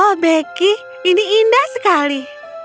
oh beki ini indah sekali